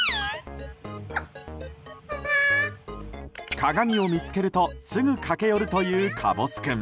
鏡を見つけるとすぐ駆け寄るという、かぼす君。